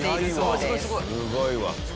すごいわ。